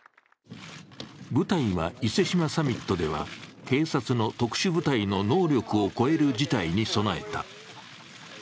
部隊は伊勢志摩サミットでは警察の特殊部隊の能力を超える事態に備えた。